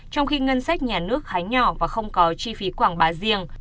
trong khi ngân sách nhà nước khá nhỏ và không có chi phí quảng bá riêng